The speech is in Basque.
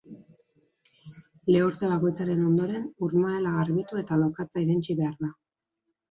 Lehorte bakoitzaren ondoren, urmaela garbitu eta lokatza irentsi behar da.